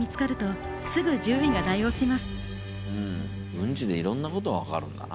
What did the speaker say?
うんちでいろんなこと分かるんだな。